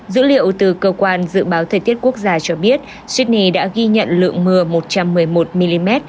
dữ liệu từ cơ quan dự báo thời tiết quốc gia cho biết sydney đã ghi nhận lượng mưa một trăm một mươi một mm